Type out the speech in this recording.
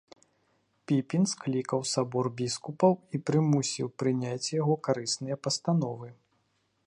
Піпін склікаў сабор біскупаў і прымусіў прыняць яго карысныя пастановы.